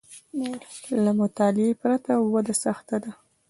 له مطالعې پرته وده سخته ده